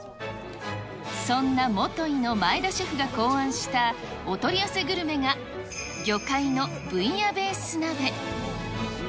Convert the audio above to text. そんなモトイの前田シェフが考案したお取り寄せグルメが、魚介のブイヤベース鍋。